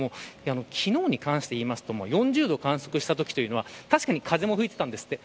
昨日に関して言いますと４０度を観測したときというのは確かに風も吹いていたんですって。